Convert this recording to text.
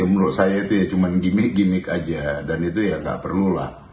menurut saya itu cuma gimmick gimmick saja dan itu ya nggak perlulah